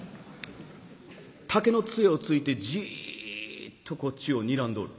竹の杖をついてじっとこっちをにらんどる。